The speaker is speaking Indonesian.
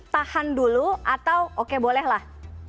tahan dulu atau oke boleh lah